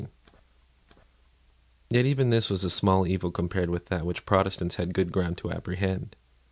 Yet even this was a small evil compared with that which Protestants had good ground to apprehend.